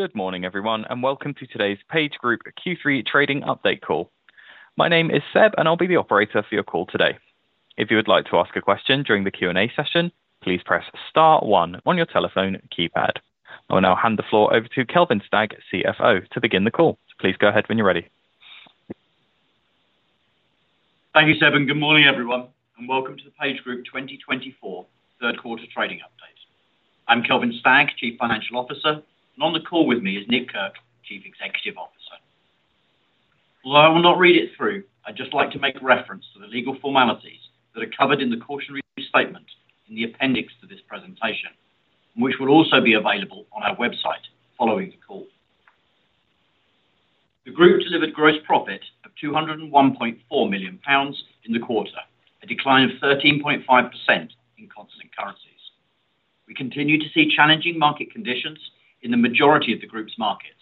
Good morning, everyone, and welcome to today's PageGroup Q3 trading update call. My name is Seb, and I'll be the operator for your call today. If you would like to ask a question during the Q&A session, please press star one on your telephone keypad. I will now hand the floor over to Kelvin Stagg, CFO, to begin the call. Please go ahead when you're ready. Thank you, Seb, and good morning, everyone, and welcome to the PageGroup 2024 third quarter trading update. I'm Kelvin Stagg, Chief Financial Officer, and on the call with me is Nick Kirk, Chief Executive Officer. Although I will not read it through, I'd just like to make reference to the legal formalities that are covered in the cautionary statement in the appendix to this presentation, which will also be available on our website following the call. The group delivered gross profit of 201.4 million pounds in the quarter, a decline of 13.5% in constant currencies. We continue to see challenging market conditions in the majority of the group's markets,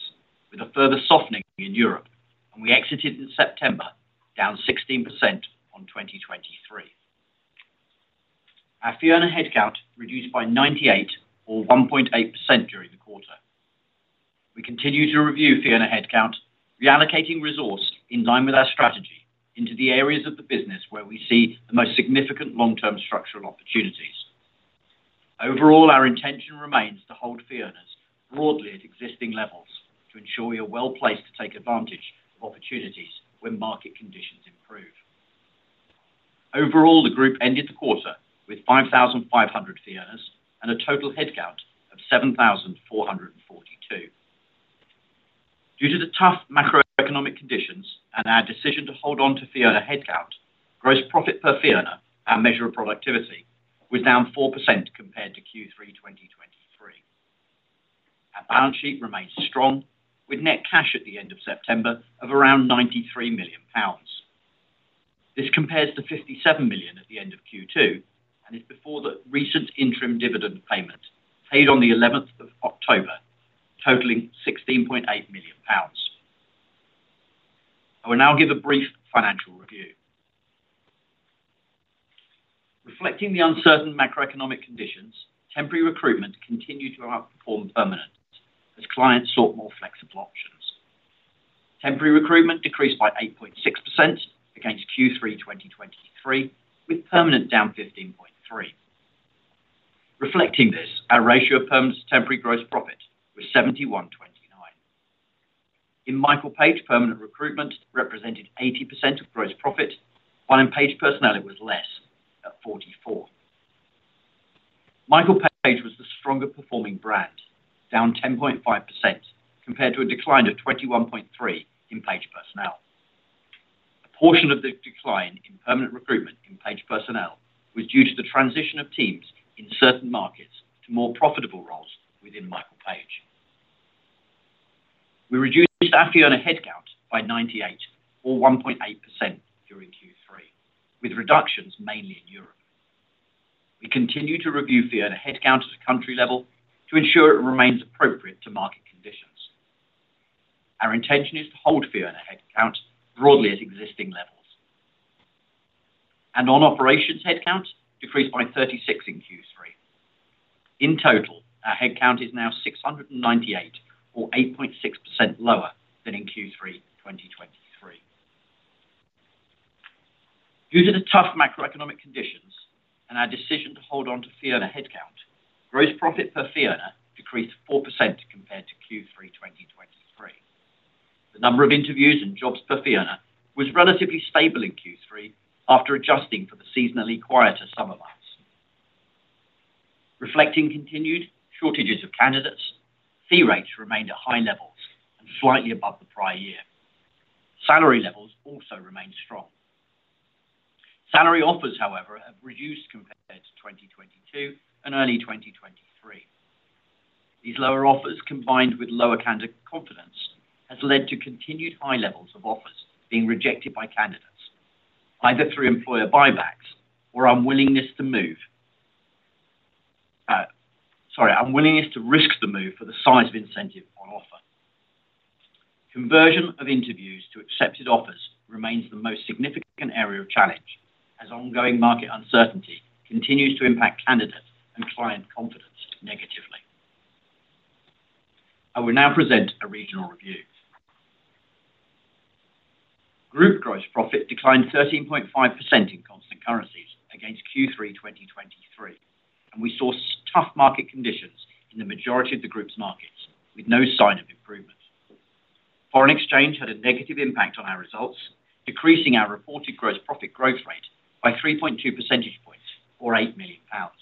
with a further softening in Europe, and we exited in September, down 16% on 2023. Our fee earner headcount reduced by 98 or 1.8% during the quarter. We continue to review fee earner headcount, reallocating resource in line with our strategy into the areas of the business where we see the most significant long-term structural opportunities. Overall, our intention remains to hold fee earners broadly at existing levels to ensure we are well-placed to take advantage of opportunities when market conditions improve. Overall, the group ended the quarter with 5,500 fee earners and a total headcount of 7,442. Due to the tough macroeconomic conditions and our decision to hold on to fee earner headcount, gross profit per fee earner, our measure of productivity, was down 4% compared to Q3 2023. Our balance sheet remains strong, with net cash at the end of September of around 93 million pounds. This compares to 57 million at the end of Q2 and is before the recent interim dividend payment, paid on the 11th of October, totaling 16.8 million pounds. I will now give a brief financial review. Reflecting the uncertain macroeconomic conditions, temporary recruitment continued to outperform permanent as clients sought more flexible options. Temporary recruitment decreased by 8.6% against Q3 2023, with permanent down 15.3%. Reflecting this, our ratio of permanent to temporary gross profit was 71-29. In Michael Page, permanent recruitment represented 80% of gross profit, while in Page Personnel it was less, at 44%. Michael Page was the stronger performing brand, down 10.5%, compared to a decline of 21.3% in Page Personnel. A portion of the decline in permanent recruitment in Page Personnel was due to the transition of teams in certain markets to more profitable roles within Michael Page. We reduced our fee earner headcount by 98 or 1.8% during Q3, with reductions mainly in Europe. We continue to review fee earner headcount at a country level to ensure it remains appropriate to market conditions. Our intention is to hold fee earner headcount broadly at existing levels. Non-operations headcount decreased by 36 in Q3. In total, our headcount is now 698 or 8.6% lower than in Q3 2023. Due to the tough macroeconomic conditions and our decision to hold on to fee earner headcount, gross profit per fee earner decreased 4% compared to Q3 2023. The number of interviews and jobs per fee earner was relatively stable in Q3 after adjusting for the seasonally quieter summer months. Reflecting continued shortages of candidates, fee rates remained at high levels and slightly above the prior year. Salary levels also remained strong. Salary offers, however, have reduced compared to 2022 and early 2023. These lower offers, combined with lower candidate confidence, has led to continued high levels of offers being rejected by candidates, either through employer buybacks or unwillingness to move... unwillingness to risk the move for the size of incentive on offer. Conversion of interviews to accepted offers remains the most significant area of challenge as ongoing market uncertainty continues to impact candidate and client confidence negatively. I will now present a regional review. Group gross profit declined 13.5% in constant currencies against Q3 2023, and we saw tough market conditions in the majority of the group's markets, with no sign of improvement. Foreign exchange had a negative impact on our results, decreasing our reported gross profit growth rate by 3.2 percentage points, or 8 million pounds.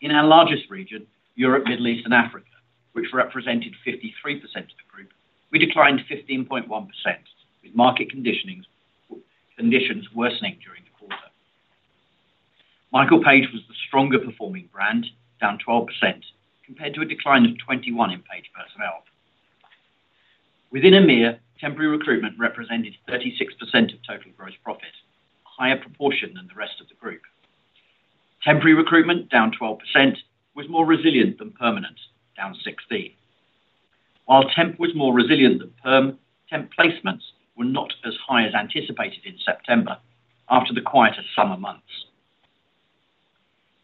In our largest region, Europe, Middle East, and Africa, which represented 53% of the group, we declined 15.1%, with conditions worsening during the quarter. Michael Page was the stronger performing brand, down 12%, compared to a decline of 21 in Page Personnel. Within EMEA, temporary recruitment represented 36% of total gross profit, a higher proportion than the rest of the group. Temporary recruitment, down 12%, was more resilient than permanent, down 16%. While temp was more resilient than perm, temp placements were not as high as anticipated in September after the quieter summer months.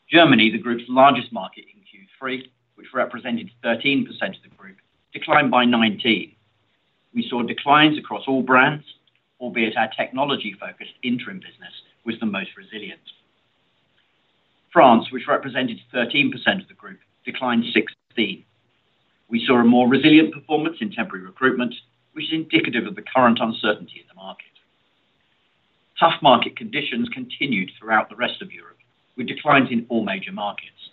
Germany, the group's largest market in Q3, which represented 13% of the group, declined by 19%. We saw declines across all brands, albeit our technology-focused interim business was the most resilient. France, which represented 13% of the group, declined 16%. We saw a more resilient performance in temporary recruitment, which is indicative of the current uncertainty in the market. Tough market conditions continued throughout the rest of Europe, with declines in all major markets.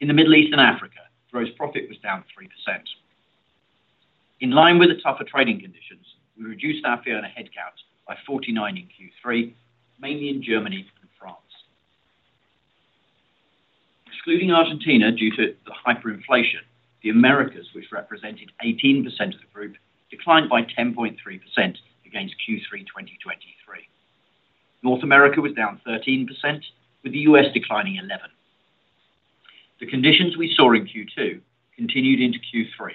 In the Middle East and Africa, gross profit was down 3%. In line with the tougher trading conditions, we reduced our fee earner headcount by 49 in Q3, mainly in Germany and France. Excluding Argentina, due to the hyperinflation, the Americas, which represented 18% of the group, declined by 10.3% against Q3 2023. North America was down 13%, with the U.S. declining 11%. The conditions we saw in Q2 continued into Q3,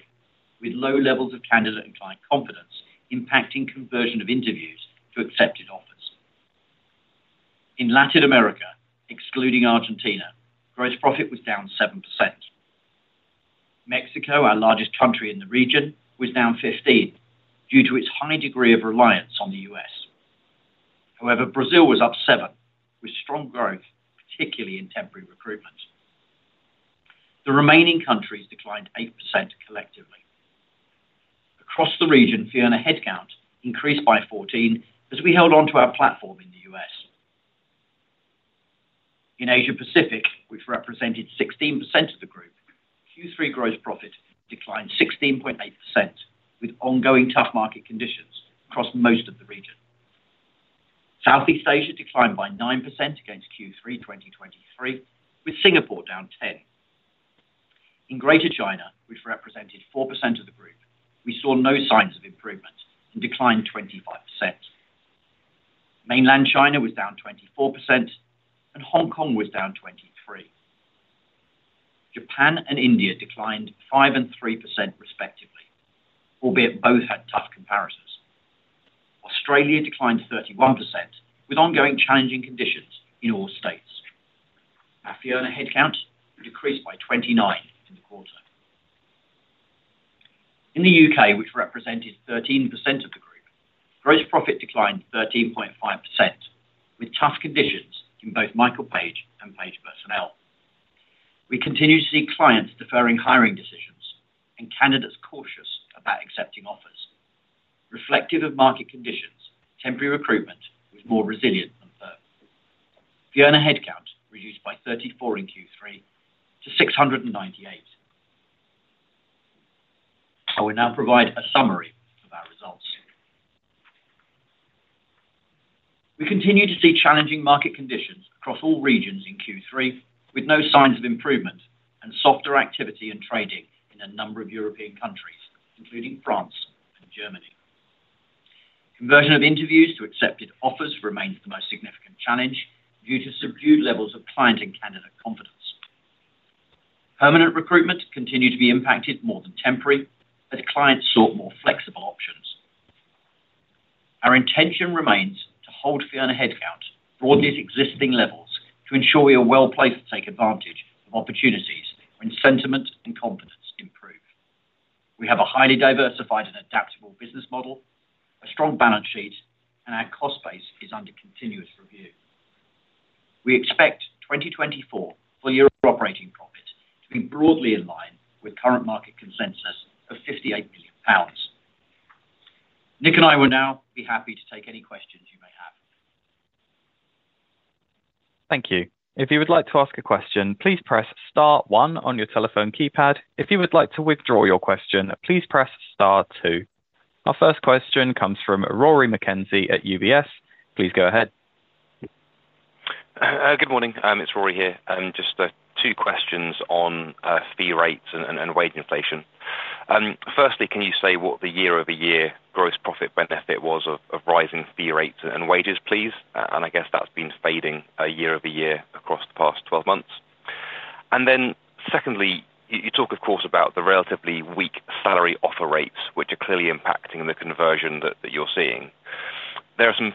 with low levels of candidate and client confidence impacting conversion of interviews to accepted offers. In Latin America, excluding Argentina, gross profit was down 7%. Mexico, our largest country in the region, was down 15% due to its high degree of reliance on the U.S. However, Brazil was up 7%, with strong growth, particularly in temporary recruitment. The remaining countries declined 8% collectively. Across the region, fee earner headcount increased by 14 as we held on to our platform in the U.S. In Asia Pacific, which represented 16% of the group, Q3 gross profit declined 16.8%, with ongoing tough market conditions across most of the region. Southeast Asia declined by 9% against Q3 2023, with Singapore down 10%. In Greater China, which represented 4% of the group, we saw no signs of improvement and declined 25%. Mainland China was down 24%, and Hong Kong was down 23%. Japan and India declined 5% and 3%, respectively, albeit both had tough comparisons. Australia declined 31%, with ongoing challenging conditions in all states. Our fee earner headcount decreased by 29 in the quarter. In the UK, which represented 13% of the group, gross profit declined 13.5%, with tough conditions in both Michael Page and Page Personnel. We continue to see clients deferring hiring decisions and candidates cautious about accepting offers. Reflective of market conditions, temporary recruitment was more resilient than perm. Fee earner headcount reduced by 34 in Q3 to 698. I will now provide a summary of our results. We continue to see challenging market conditions across all regions in Q3, with no signs of improvement and softer activity and trading in a number of European countries, including France and Germany. Conversion of interviews to accepted offers remains the most significant challenge due to subdued levels of client and candidate confidence. Permanent recruitment continued to be impacted more than temporary, as clients sought more flexible options. Our intention remains to hold fee earner headcount broadly at existing levels to ensure we are well-placed to take advantage of opportunities when sentiment and confidence improve. We have a highly diversified and adaptable business model, a strong balance sheet, and our cost base is under continuous review. We expect 2024 full-year operating profit to be broadly in line with current market consensus of 58 million pounds. Nick and I will now be happy to take any questions you may have. Thank you. If you would like to ask a question, please press star one on your telephone keypad. If you would like to withdraw your question, please press star two. Our first question comes from Rory Mckenzie at UBS. Please go ahead. Good morning. It's Rory here, and just two questions on fee rates and wage inflation. Firstly, can you say what the year-over-year gross profit benefit was of rising fee rates and wages, please? And I guess that's been fading year-over-year across the past twelve months. And then, secondly, you talk, of course, about the relatively weak salary offer rates, which are clearly impacting the conversion that you're seeing. There are some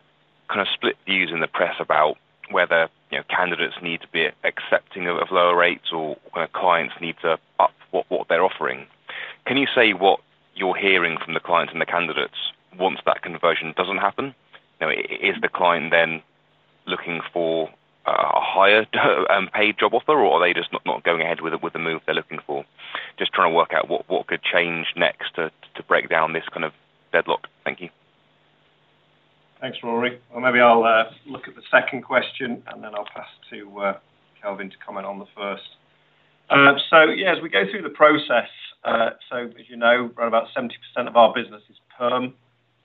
kind of split views in the press about whether, you know, candidates need to be accepting of lower rates or whether clients need to up what they're offering. Can you say what you're hearing from the clients and the candidates once that conversion doesn't happen? You know, is the client then looking for a higher pay job offer, or are they just not going ahead with the move they're looking for? Just trying to work out what could change next to break down this kind of deadlock. Thank you. Thanks, Rory. Well, maybe I'll look at the second question, and then I'll pass to Kelvin to comment on the first. So yeah, as we go through the process, so as you know, around about 70% of our business is perm.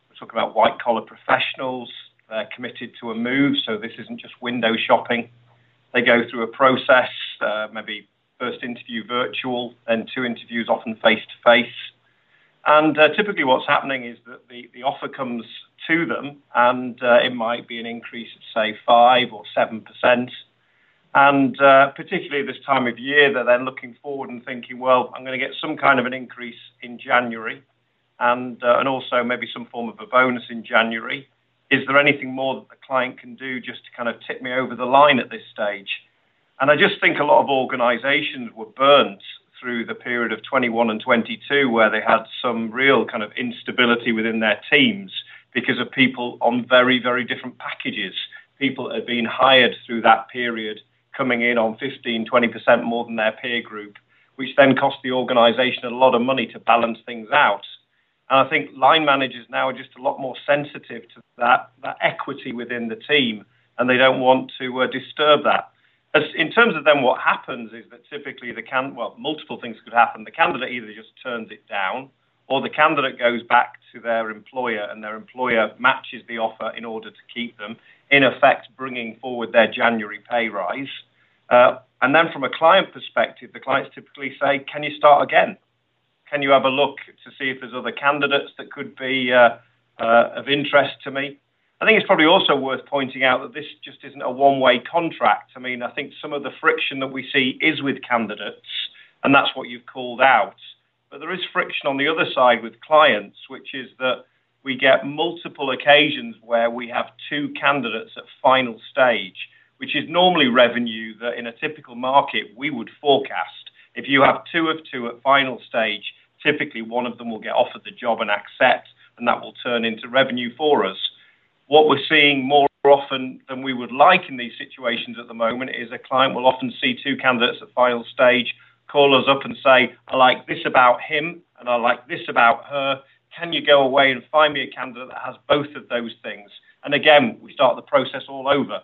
We're talking about white-collar professionals. They're committed to a move, so this isn't just window shopping. They go through a process, maybe first interview virtual, then two interviews, often face-to-face.... Typically what's happening is that the offer comes to them, and it might be an increase of, say, 5% or 7%. Particularly this time of year, they're then looking forward and thinking, "Well, I'm gonna get some kind of an increase in January, and also maybe some form of a bonus in January. Is there anything more that the client can do just to kind of tip me over the line at this stage?" And I just think a lot of organizations were burnt through the period of 2021 and 2022, where they had some real kind of instability within their teams because of people on very, very different packages. People that had been hired through that period, coming in on 15%-20% more than their peer group, which then cost the organization a lot of money to balance things out. I think line managers now are just a lot more sensitive to that, that equity within the team, and they don't want to disturb that. In terms of then what happens is that typically, the candidate, well, multiple things could happen. The candidate either just turns it down, or the candidate goes back to their employer, and their employer matches the offer in order to keep them, in effect, bringing forward their January pay rise. And then from a client perspective, the clients typically say, "Can you start again? Can you have a look to see if there's other candidates that could be of interest to me?" I think it's probably also worth pointing out that this just isn't a one-way contract. I mean, I think some of the friction that we see is with candidates, and that's what you've called out. But there is friction on the other side with clients, which is that we get multiple occasions where we have two candidates at final stage, which is normally revenue, that in a typical market, we would forecast. If you have two of two at final stage, typically, one of them will get offered the job and accept, and that will turn into revenue for us. What we're seeing more often than we would like in these situations at the moment is a client will often see two candidates at final stage, call us up and say, "I like this about him, and I like this about her. Can you go away and find me a candidate that has both of those things?" And again, we start the process all over.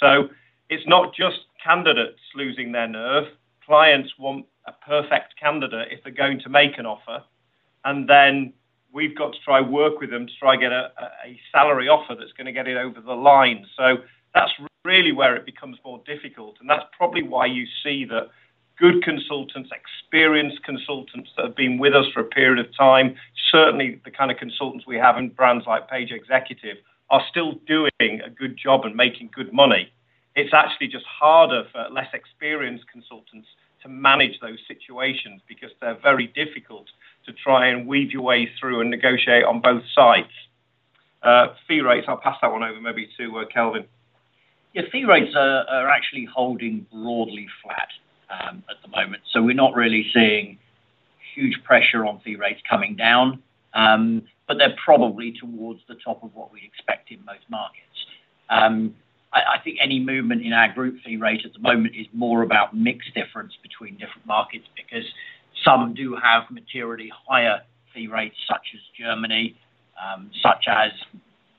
So it's not just candidates losing their nerve. Clients want a perfect candidate if they're going to make an offer, and then we've got to try to work with them to try to get a salary offer that's gonna get it over the line. So that's really where it becomes more difficult, and that's probably why you see that good consultants, experienced consultants, that have been with us for a period of time, certainly the kind of consultants we have in brands like Page Executive, are still doing a good job and making good money. It's actually just harder for less experienced consultants to manage those situations because they're very difficult to try and weave your way through and negotiate on both sides. Fee rates, I'll pass that one over maybe to Kelvin. Yeah, fee rates are actually holding broadly flat at the moment. So we're not really seeing huge pressure on fee rates coming down, but they're probably towards the top of what we expect in most markets. I think any movement in our group fee rate at the moment is more about mix difference between different markets, because some do have materially higher fee rates, such as Germany, such as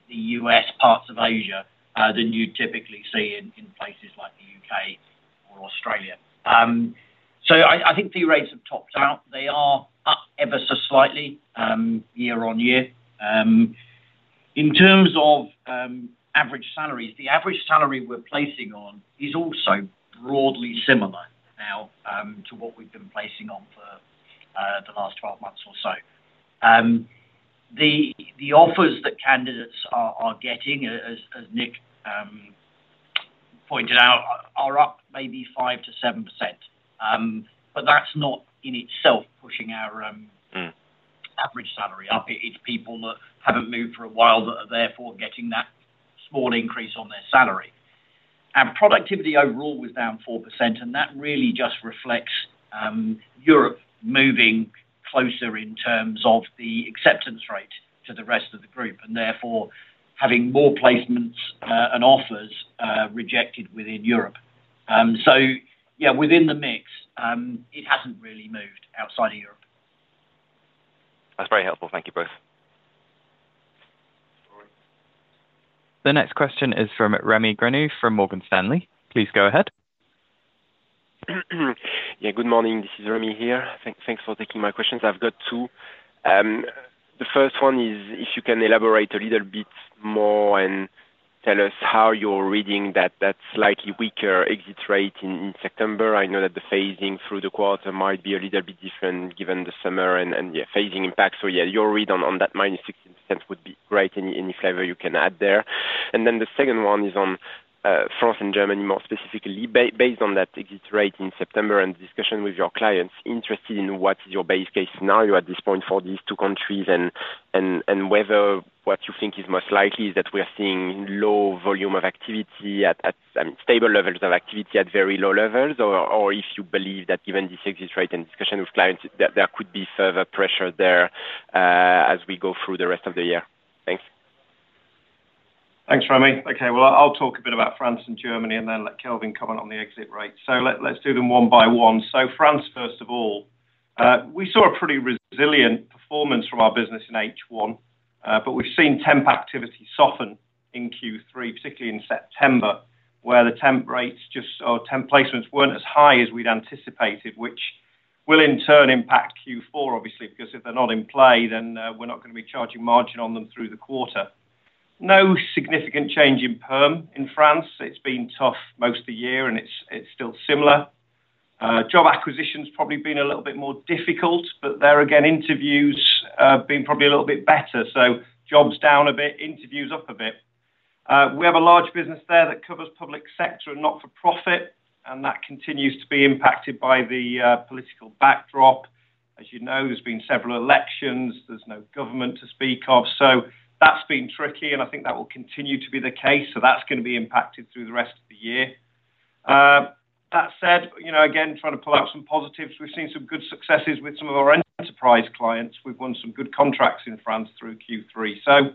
the US, parts of Asia, than you'd typically see in places like the UK or Australia. So I think fee rates have topped out. They are up ever so slightly year-on-year. In terms of average salaries, the average salary we're placing on is also broadly similar now to what we've been placing on for the last twelve months or so. The offers that candidates are getting, as Nick pointed out, are up maybe 5% to 7%. But that's not in itself pushing our, Mm... average salary up. It's people that haven't moved for a while that are therefore getting that small increase on their salary. And productivity overall was down 4%, and that really just reflects, Europe moving closer in terms of the acceptance rate to the rest of the group and therefore, having more placements, and offers, rejected within Europe. So yeah, within the mix, it hasn't really moved outside of Europe. That's very helpful. Thank you both. All right. The next question is from Remy Grenu from Morgan Stanley. Please go ahead. Yeah, good morning. This is Remy here. Thanks for taking my questions. I've got two. The first one is if you can elaborate a little bit more and tell us how you're reading that slightly weaker exit rate in September. I know that the phasing through the quarter might be a little bit different given the summer and yeah, phasing impact. So, yeah, your read on that minus 60% would be great, any flavor you can add there. And then the second one is on France and Germany more specifically. Based on that exit rate in September and the discussion with your clients, interested in what is your base case scenario at this point for these two countries and whether what you think is most likely is that we are seeing low volume of activity at stable levels of activity at very low levels, or if you believe that given this exit rate and discussion with clients, that there could be further pressure there, as we go through the rest of the year. Thanks. Thanks, Remy. Okay, well, I'll talk a bit about France and Germany and then let Kelvin comment on the exit rate. Let's do them one by one. France, first of all, we saw a pretty resilient performance from our business in H1. But we've seen temp activity soften in Q3, particularly in September, where the temp rates just or temp placements weren't as high as we'd anticipated, which will in turn impact Q4, obviously, because if they're not in play, then we're not gonna be charging margin on them through the quarter. No significant change in perm in France. It's been tough most of the year, and it's still similar. Job acquisition's probably been a little bit more difficult, but there again, interviews have been probably a little bit better. So jobs down a bit, interviews up a bit. We have a large business there that covers public sector and not-for-profit, and that continues to be impacted by the political backdrop. As you know, there's been several elections. There's no government to speak of, so that's been tricky, and I think that will continue to be the case, so that's gonna be impacted through the rest of the year. That said, you know, again, trying to pull out some positives, we've seen some good successes with some of our enterprise clients. We've won some good contracts in France through Q3. So,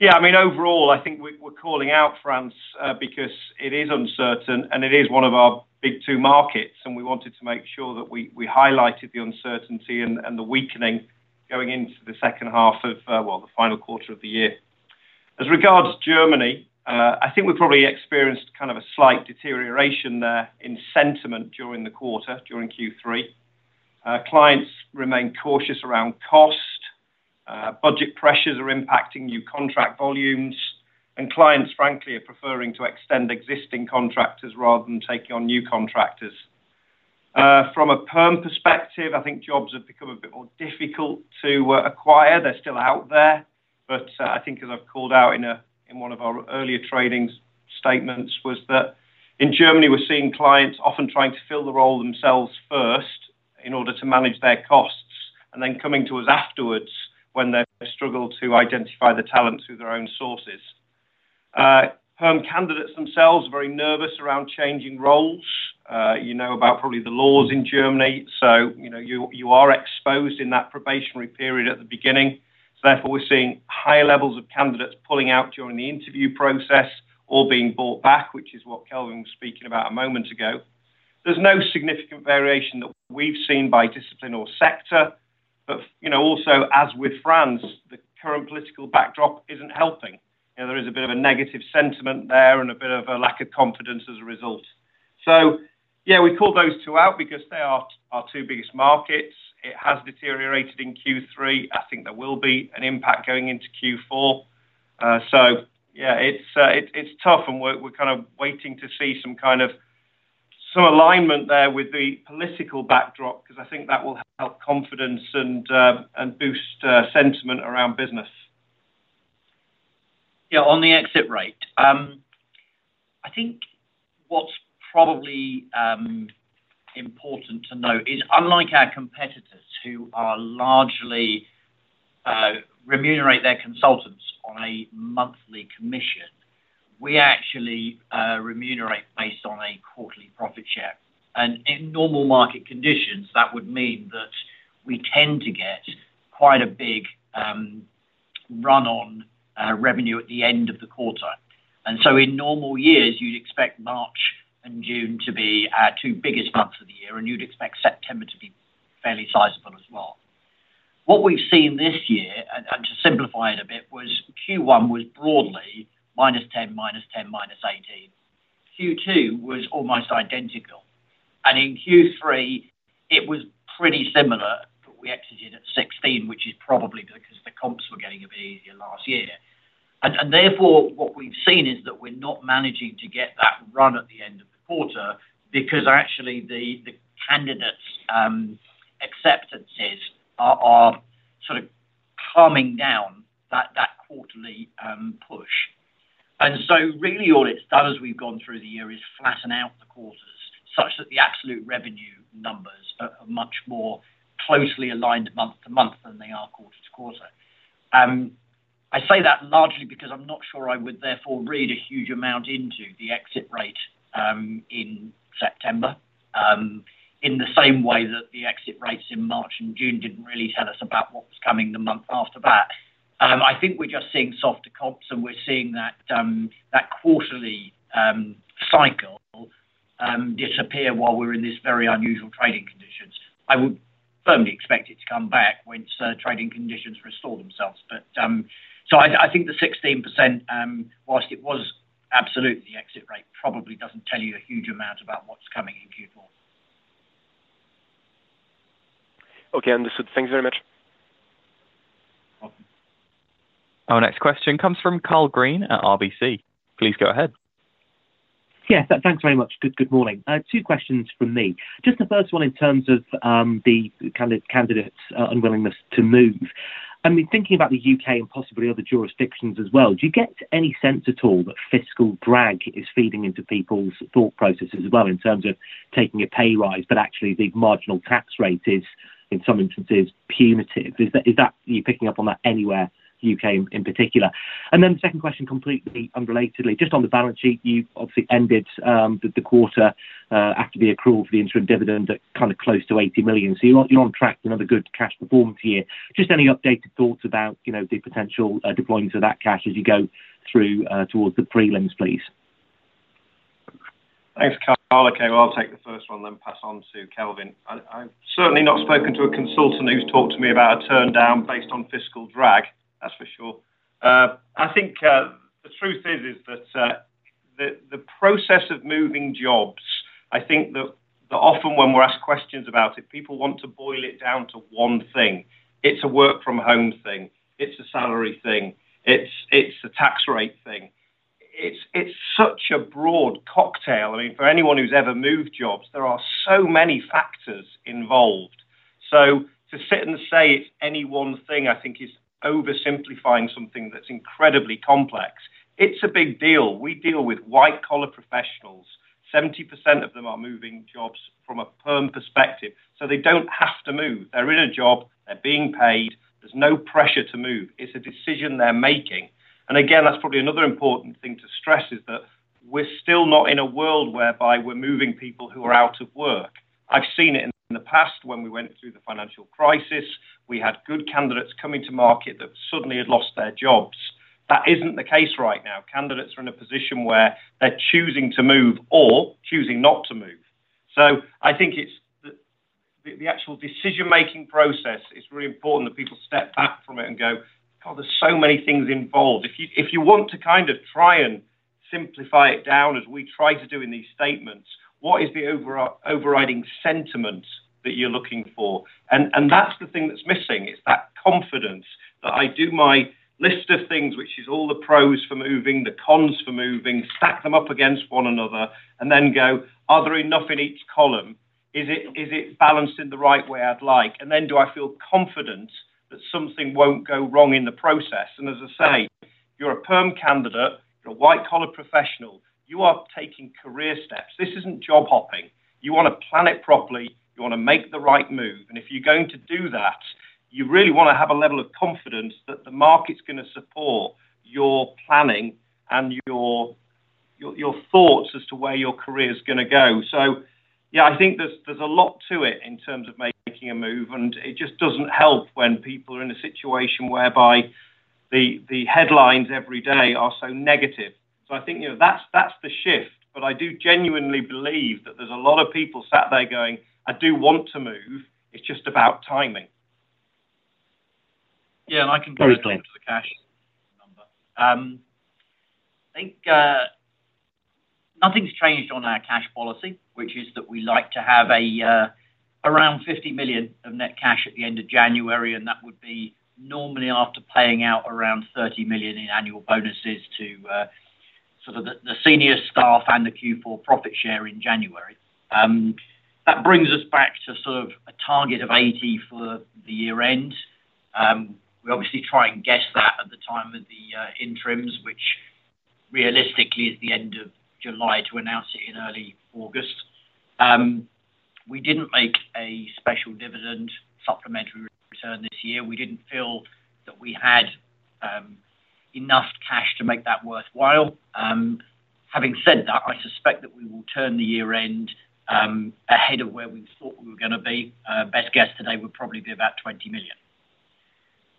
yeah, I mean, overall, I think we're calling out France because it is uncertain, and it is one of our big two markets, and we wanted to make sure that we highlighted the uncertainty and the weakening going into the second half of the final quarter of the year. As regards to Germany, I think we've probably experienced kind of a slight deterioration there in sentiment during the quarter, during Q3. Clients remain cautious around cost, budget pressures are impacting new contract volumes, and clients, frankly, are preferring to extend existing contractors rather than taking on new contractors. From a perm perspective, I think jobs have become a bit more difficult to acquire. They're still out there, but I think as I've called out in one of our earlier trading statements, was that in Germany, we're seeing clients often trying to fill the role themselves first in order to manage their costs, and then coming to us afterwards when they've struggled to identify the talent through their own sources. Perm candidates themselves are very nervous around changing roles. You know about probably the laws in Germany, so, you know, you are exposed in that probationary period at the beginning, so therefore, we're seeing higher levels of candidates pulling out during the interview process or being brought back, which is what Kelvin was speaking about a moment ago. There's no significant variation that we've seen by discipline or sector, but, you know, also, as with France, the current political backdrop isn't helping. You know, there is a bit of a negative sentiment there and a bit of a lack of confidence as a result. So yeah, we called those two out because they are our two biggest markets. It has deteriorated in Q3. I think there will be an impact going into Q4. So yeah, it's tough, and we're kind of waiting to see some kind of... Some alignment there with the political backdrop, because I think that will help confidence and boost sentiment around business. Yeah, on the exit rate, I think what's probably important to note is, unlike our competitors, who are largely remunerate their consultants on a monthly commission, we actually remunerate based on a quarterly profit share. And in normal market conditions, that would mean that we tend to get quite a big run on revenue at the end of the quarter. And so in normal years, you'd expect March and June to be our two biggest months of the year, and you'd expect September to be fairly sizable as well. What we've seen this year, and to simplify it a bit, was Q1 was broadly -10%, -10%, -18%. Q2 was almost identical, and in Q3, it was pretty similar, but we exited at 16%, which is probably because the comps were getting a bit easier last year. Therefore, what we've seen is that we're not managing to get that run at the end of the quarter because actually, the candidates' acceptances are sort of calming down that quarterly push. So really, all it's done as we've gone through the year is flatten out the quarters, such that the absolute revenue numbers are much more closely aligned month to month than they are quarter to quarter. I say that largely because I'm not sure I would therefore read a huge amount into the exit rate in September, in the same way that the exit rates in March and June didn't really tell us about what was coming the month after that. I think we're just seeing softer comps, and we're seeing that quarterly cycle disappear while we're in this very unusual trading conditions. I would firmly expect it to come back once trading conditions restore themselves. But so I think the 16%, while it was absolutely the exit rate, probably doesn't tell you a huge amount about what's coming in Q4. Okay, understood. Thanks very much. Welcome. Our next question comes from Karl Green at RBC. Please go ahead. Yeah, thanks very much. Good morning. Two questions from me. Just the first one in terms of the kind of candidates' unwillingness to move. I mean, thinking about the UK and possibly other jurisdictions as well, do you get any sense at all that fiscal drag is feeding into people's thought processes as well in terms of taking a pay rise, but actually the marginal tax rate is, in some instances, punitive? Is that... Are you picking up on that anywhere, UK in particular? And then the second question, completely unrelatedly, just on the balance sheet, you've obviously ended the quarter after the accrual for the interim dividend at kind of close to 80 million. So you're on track for another good cash performance year. Just any updated thoughts about, you know, the potential, deploying to that cash as you go through, towards the prelims, please? Thanks, Carl. Okay, well, I'll take the first one, then pass on to Kelvin. I've certainly not spoken to a consultant who's talked to me about a turndown based on fiscal drag, that's for sure. I think the truth is that the process of moving jobs, I think that often when we're asked questions about it, people want to boil it down to one thing. It's a work from home thing. It's a salary thing. It's a tax rate thing. It's such a broad cocktail. I mean, for anyone who's ever moved jobs, there are so many factors involved. So to sit and say it's any one thing, I think is oversimplifying something that's incredibly complex. It's a big deal. We deal with white-collar professionals. 70% of them are moving jobs from a perm perspective, so they don't have to move. They're in a job, they're being paid, there's no pressure to move. It's a decision they're making. And again, that's probably another important thing to stress, is that we're still not in a world whereby we're moving people who are out of work. I've seen it in the past when we went through the financial crisis. We had good candidates coming to market that suddenly had lost their jobs. That isn't the case right now. Candidates are in a position where they're choosing to move or choosing not to move. So I think it's the actual decision-making process, it's really important that people step back from it and go: God, there's so many things involved. If you want to kind of try and simplify it down as we try to do in these statements, what is the overriding sentiment that you're looking for? And that's the thing that's missing. It's that confidence that I do my list of things, which is all the pros for moving, the cons for moving, stack them up against one another, and then go, "Are there enough in each column? Is it balanced in the right way I'd like? And then do I feel confident that something won't go wrong in the process?" And as I say, you're a perm candidate, you're a white-collar professional. You are taking career steps. This isn't job hopping. You want to plan it properly, you want to make the right move. And if you're going to do that, you really want to have a level of confidence that the market's gonna support your planning and your thoughts as to where your career is gonna go. So, yeah, I think there's a lot to it in terms of making a move, and it just doesn't help when people are in a situation whereby the headlines every day are so negative. So I think, you know, that's the shift, but I do genuinely believe that there's a lot of people sat there going, "I do want to move, it's just about timing. Yeah, and I can go to the cash number. Totally. I think nothing's changed on our cash policy, which is that we like to have around 50 million of net cash at the end of January, and that would be normally after paying out around 30 million in annual bonuses to sort of the senior staff and the Q4 profit share in January. That brings us back to sort of a target of 80 million for the year end. We obviously try and guess that at the time of the interims, which realistically is the end of July, to announce it in early August. We didn't make a special dividend supplementary return this year. We didn't feel that we had enough cash to make that worthwhile. Having said that, I suspect that we will turn the year end ahead of where we thought we were gonna be. Best guess today would probably be about 20 million.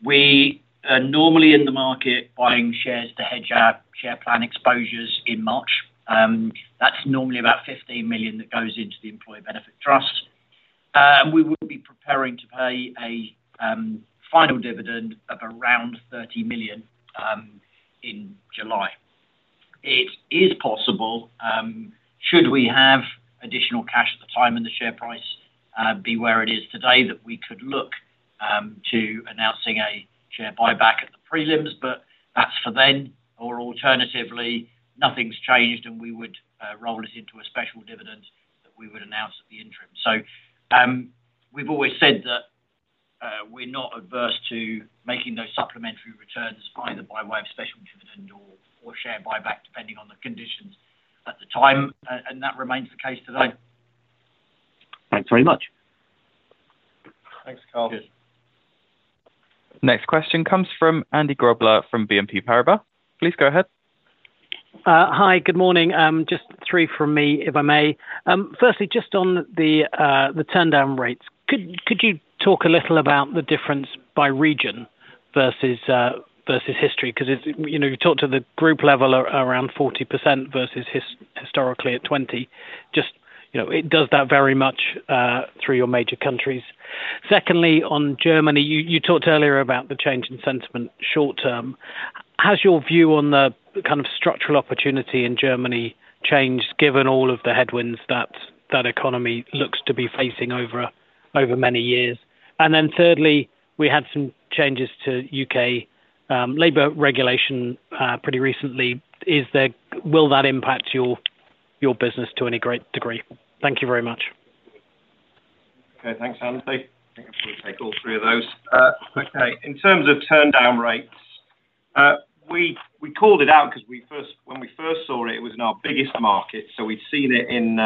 We are normally in the market buying shares to hedge our share plan exposures in March. That's normally about 15 million that goes into the employee benefit trust. We will be preparing to pay a final dividend of around 30 million in July. It is possible, should we have additional cash at the time, and the share price be where it is today, that we could look to announcing a share buyback at the prelims, but that's for then, or alternatively, nothing's changed, and we would roll it into a special dividend that we would announce at the interim. So, we've always said that we're not adverse to making those supplementary returns, either by way of special dividend or share buyback, depending on the conditions at the time. And that remains the case today. Thanks very much. Thanks, Carl. Next question comes from Andy Grobler from BNP Paribas. Please go ahead. Hi, good morning. Just three from me, if I may. Firstly, just on the turndown rates. Could you talk a little about the difference by region versus history? 'Cause it's, you know, you talked to the group level around 40% versus historically at 20%. Just, you know, it does that very much through your major countries. Secondly, on Germany, you talked earlier about the change in sentiment short term. Has your view on the kind of structural opportunity in Germany changed given all of the headwinds that that economy looks to be facing over many years? And then thirdly, we had some changes to UK labor regulation pretty recently. Will that impact your business to any great degree? Thank you very much. Okay. Thanks, Andy. I think I'm gonna take all three of those. Okay, in terms of turndown rates, we called it out because when we first saw it, it was in our biggest market, so we'd seen it in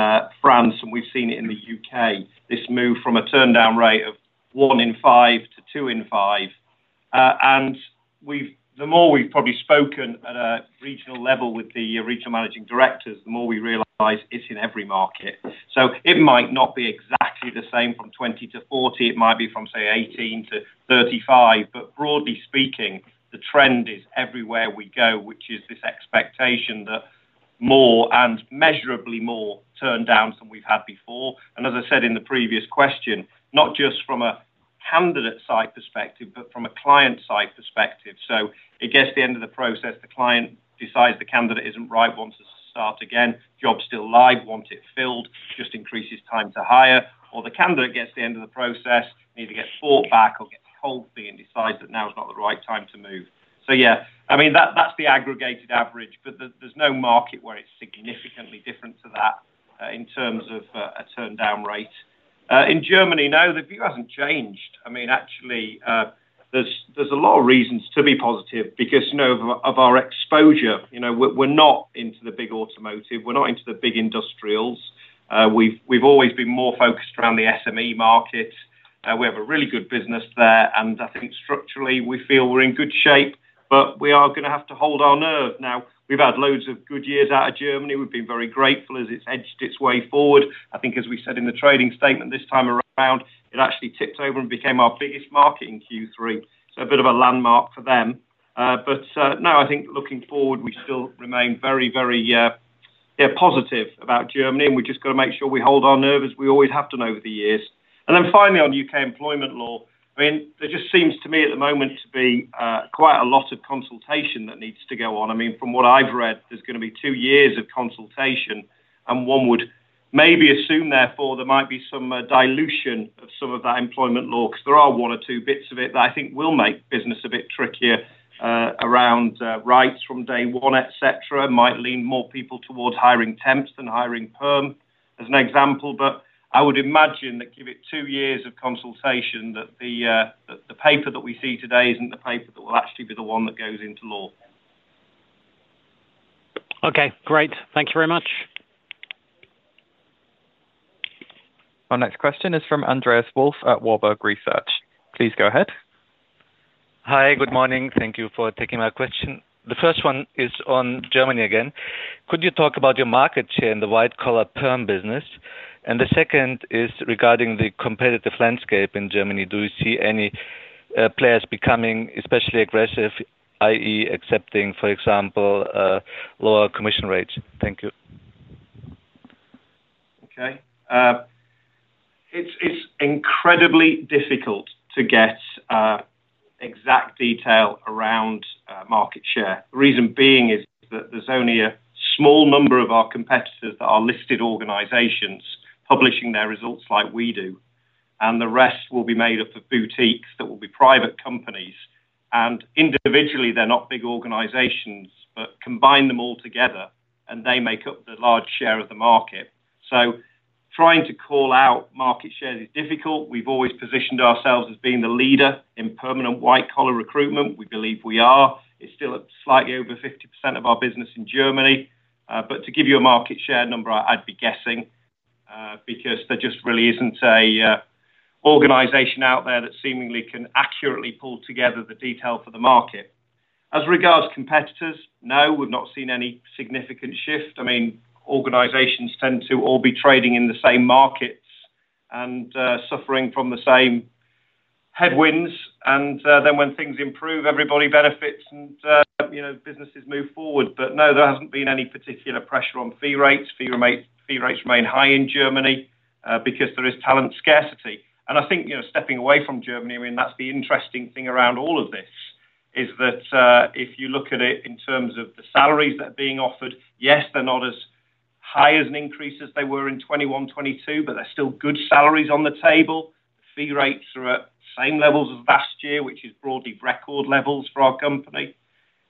France, and we've seen it in the UK, this move from a turndown rate of one in five to two in five. And the more we've probably spoken at a regional level with the regional managing directors, the more we realize it's in every market. So it might not be exactly the same from 20 to 40, it might be from, say, 18 to 35, but broadly speaking, the trend is everywhere we go, which is this expectation that more and measurably more turndowns than we've had before. And as I said in the previous question, not just from a candidate side perspective, but from a client side perspective. So it gets to the end of the process, the client decides the candidate isn't right, wants to start again. Job's still live, wants it filled, just increases time to hire, or the candidate gets to the end of the process, need to get bought back or get cold feet and decides that now is not the right time to move. So yeah, I mean, that's the aggregated average, but there's no market where it's significantly different to that... in terms of a turned down rate. In Germany, no, the view hasn't changed. I mean, actually, there's a lot of reasons to be positive because, you know, of our exposure, you know, we're not into the big automotive, we're not into the big industrials. We've always been more focused around the SME market. We have a really good business there, and I think structurally we feel we're in good shape, but we are gonna have to hold our nerve. Now, we've had loads of good years out of Germany. We've been very grateful as it's edged its way forward. I think, as we said in the trading statement this time around, it actually tipped over and became our biggest market in Q3, so a bit of a landmark for them. But no, I think looking forward, we still remain very, very positive about Germany, and we've just got to make sure we hold our nerve as we always have done over the years. Then finally, on UK employment law, I mean, there just seems to me at the moment to be quite a lot of consultation that needs to go on. I mean, from what I've read, there's gonna be two years of consultation, and one would maybe assume, therefore, there might be some dilution of some of that employment law. 'Cause there are one or two bits of it that I think will make business a bit trickier around rights from day one, et cetera. Might lean more people towards hiring temps than hiring perm, as an example, but I would imagine that give it two years of consultation, that the paper that we see today isn't the paper that will actually be the one that goes into law. Okay, great. Thank you very much. Our next question is from Andreas Wolf at Warburg Research. Please go ahead. Hi, good morning. Thank you for taking my question. The first one is on Germany again. Could you talk about your market share in the white-collar perm business? And the second is regarding the competitive landscape in Germany. Do you see any players becoming especially aggressive, i.e., accepting, for example, lower commission rates? Thank you. Okay. It's incredibly difficult to get exact detail around market share. The reason being is that there's only a small number of our competitors that are listed organizations publishing their results like we do, and the rest will be made up of boutiques that will be private companies, and individually, they're not big organizations, but combine them all together, and they make up the large share of the market. So trying to call out market share is difficult. We've always positioned ourselves as being the leader in permanent white-collar recruitment. We believe we are. It's still at slightly over 50% of our business in Germany. But to give you a market share number, I'd be guessing, because there just really isn't a organization out there that seemingly can accurately pull together the detail for the market. As regards to competitors, no, we've not seen any significant shift. I mean, organizations tend to all be trading in the same markets and suffering from the same headwinds, and then when things improve, everybody benefits, and you know, businesses move forward, but no, there hasn't been any particular pressure on fee rates. Fee rates remain high in Germany because there is talent scarcity, and I think, you know, stepping away from Germany, I mean, that's the interesting thing around all of this, is that if you look at it in terms of the salaries that are being offered, yes, they're not as high as an increase as they were in 2021, 2022, but they're still good salaries on the table. Fee rates are at the same levels as last year, which is broadly record levels for our company.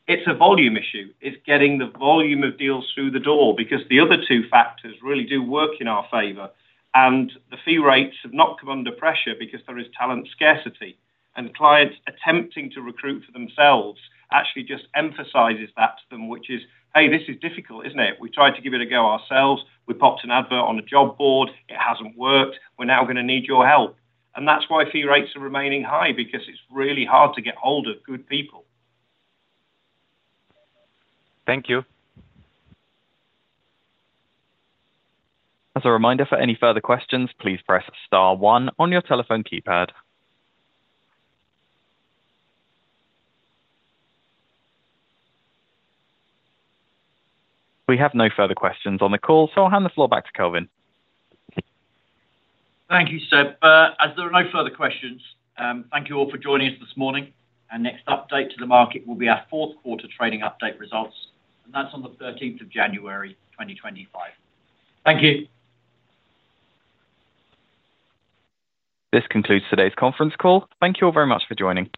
It's a volume issue. It's getting the volume of deals through the door because the other two factors really do work in our favor, and the fee rates have not come under pressure because there is talent scarcity, and clients attempting to recruit for themselves actually just emphasizes that to them, which is, "Hey, this is difficult, isn't it? We tried to give it a go ourselves. We popped an advert on the job board. It hasn't worked. We're now gonna need your help," and that's why fee rates are remaining high, because it's really hard to get hold of good people. Thank you. As a reminder, for any further questions, please press star one on your telephone keypad. We have no further questions on the call, so I'll hand the floor back to Kelvin. Thank you, Seb. As there are no further questions, thank you all for joining us this morning. Our next update to the market will be our fourth quarter trading update results, and that's on the thirteenth of January, twenty twenty-five. Thank you. This concludes today's conference call. Thank you all very much for joining.